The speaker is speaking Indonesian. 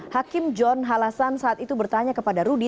hakim john halasan saat itu bertanya kepada rudy